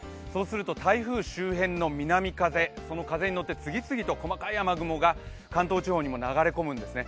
台風周辺の南風にのって次々と細かい雨雲が関東地方にも流れ込むんですよね。